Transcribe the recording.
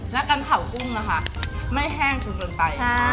แล้วกันข่าวกุ้งนะคะไม่แห้งที่เกินไป